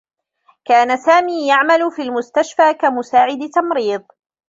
كان سامي يعمل في المستشفى كمساعد تمريض.